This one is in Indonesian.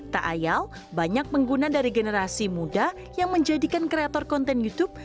tak ayal banyak pengguna dari generasi muda yang menjadikan kreator konten youtube